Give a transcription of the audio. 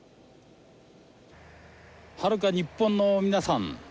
はるか日本の皆さん